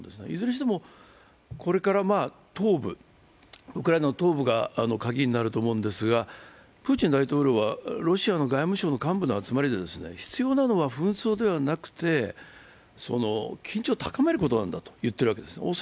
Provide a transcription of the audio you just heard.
いずれにしてもこれからウクライナの東部がカギになると思うんですが、プーチン大統領はロシアの外務省の幹部の集まりで必要なのは紛争ではなくて緊張を高めることなんだと言ってるわけですね。